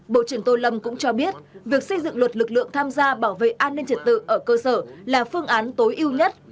bộ trưởng tô lâm cũng cho biết việc xây dựng luật lực lượng tham gia bảo vệ an ninh trật tự ở cơ sở là phương án tối ưu nhất